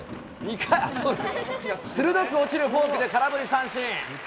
鋭く落ちるフォークで空振り三振。